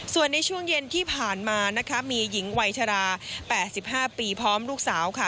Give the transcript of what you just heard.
ส่วนในช่วงเย็นที่ผ่านมานะคะมีหญิงวัยชรา๘๕ปีพร้อมลูกสาวค่ะ